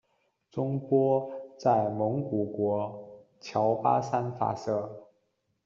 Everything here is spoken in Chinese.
中波在蒙古国乔巴山发射。